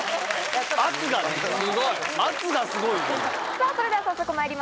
さぁそれでは早速まいりましょう。